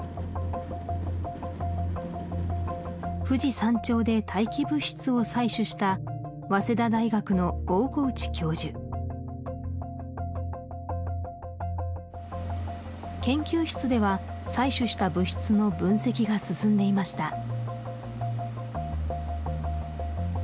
富士山頂で大気物質を採取した早稲田大学の大河内教授研究室では採取した物質の分析が進んでいました